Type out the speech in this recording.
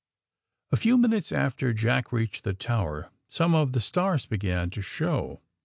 A few minutes after Jack reached the tower some of the stars began to show.